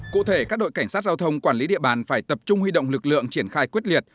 cụ thể các đội cảnh sát giao thông quản lý địa bàn phải tập trung huy động lực lượng triển khai quyết liệt